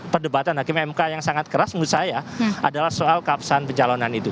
perdebatan hakim mk yang sangat keras menurut saya adalah soal keabsahan pencalonan itu